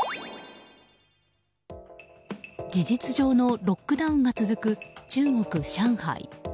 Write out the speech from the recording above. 事実上のロックダウンが続く中国・上海。